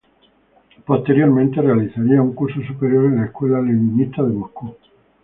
Posteriormente realizaría un curso superior en la Escuela Leninista de Moscú.